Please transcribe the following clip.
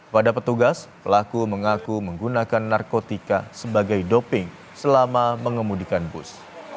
pada petugas pelaku mengaku menggunakan narkotika sebagai doping selama mengemudikan bus